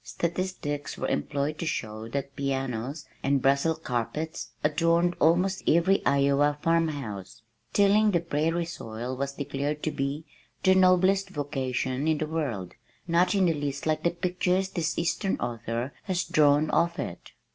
Statistics were employed to show that pianos and Brussels carpets adorned almost every Iowa farmhouse. Tilling the prairie soil was declared to be "the noblest vocation in the world, not in the least like the pictures this eastern author has drawn of it."